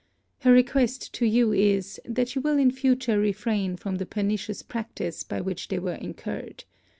Her request to you is, that you will in future refrain from the pernicious practice by which they were incurred.